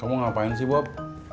kamu ngapain sih bob